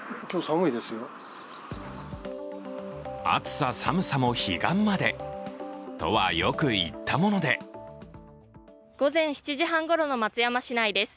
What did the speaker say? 暑さ寒さも彼岸までとはよく言ったのもで午前７時半ごろの松山市内です。